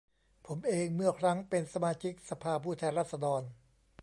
ผมเองเมื่อครั้งเป็นสมาชิกสภาผู้แทนราษฎร